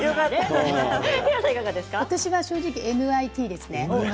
私は正直ＮＩＴですね。